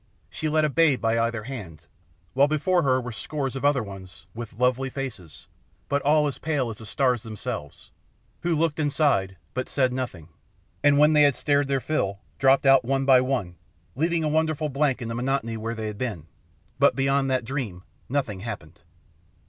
She led a babe by either hand, while behind her were scores of other ones, with lovely faces, but all as pale as the stars themselves, who looked and sighed, but said nothing, and when they had stared their fill, dropped out one by one, leaving a wonderful blank in the monotony where they had been; but beyond that dream nothing happened.